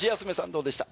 どうでした？